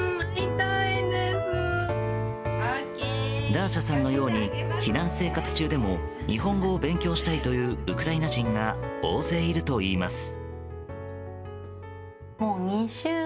ダーシャさんのように避難生活中でも日本語を勉強したいというウクライナ人が大勢いるといいます。